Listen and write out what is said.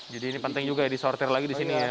ini penting juga ya disortir lagi di sini ya